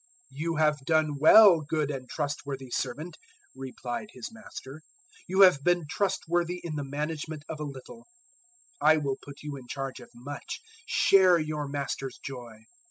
025:021 "`You have done well, good and trustworthy servant,' replied his master; `you have been trustworthy in the management of a little, I will put you in charge of much: share your master's joy.'